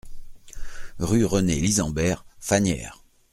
Rue René Lisambert, Fagnières